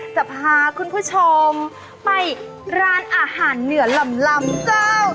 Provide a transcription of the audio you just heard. จะพาคุณผู้ชมไปร้านอาหารเหนือลำเจ้า